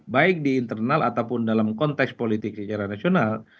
baik di internal ataupun dalam konteks politik secara nasional